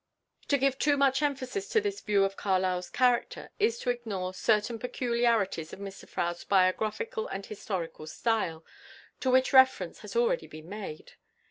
To give too much emphasis to this view of Carlyle's character is to ignore certain peculiarities of Mr Froude's biographical and historical style, to which reference has already been made.